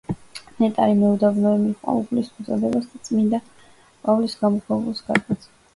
ნეტარი მეუდაბნოე მიჰყვა უფლის მოწოდებას და წმიდა პავლეს გამოქვაბულს გადააწყდა.